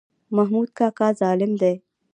محمود کاکا ظالم دی.